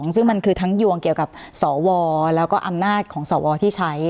ซึ่งมันคือทั้งยวงเกี่ยวกับสวแล้วก็อำนาจของสวที่ใช้